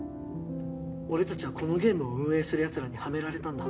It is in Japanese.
俺たちはこのゲームを運営する奴らにはめられたんだ。